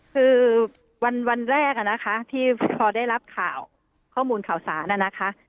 คือวันแรกนะคะที่พอได้รับข่าวข้อมูลข่าวสารนะคะ